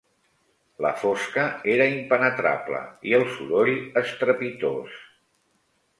La fosca era impenetrable i el soroll estrepitós